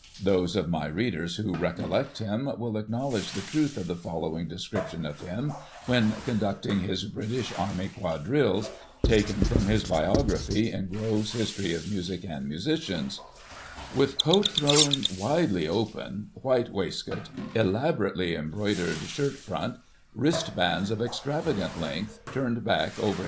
Digiti ized by Google 1843] M. JULLIEN. 229 Those of my readers who recollect him will acknowledge the truth of the following description of him, when conducting his British Army Quadrilles, taken from his biography in Grove's History of Music and Musicians :" With coat thrown widely open, white waistcoat, elaborately embroidered shirt front, wristbands of extravagant length, turned back over his M.